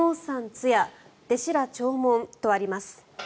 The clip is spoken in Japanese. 通夜、弟子ら弔問とあります。